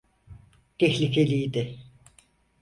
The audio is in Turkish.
Tehlikeliydi.